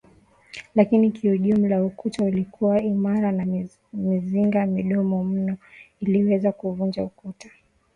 Lakini kiujumla ukuta ulikuwa imara na mizinga midogo mno iliweza kuvunja ukuta